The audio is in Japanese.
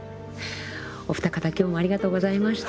お二方今日もありがとうございました。